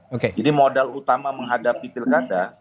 jadi modal utama menghadapi pilkada